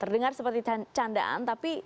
terdengar seperti candaan tapi